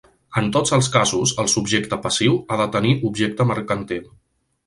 En tots els casos, el subjecte passiu ha de tenir objecte mercantil.